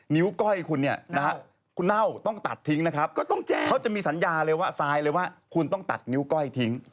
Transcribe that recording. ้ว้อยคุณเนี่ยนะฮะคุณเน่าต้องตัดทิ้งนะครับก็ต้องแจ้งเขาจะมีสัญญาเลยว่าทรายเลยว่าคุณต้องตัดนิ้วก้อยทิ้ง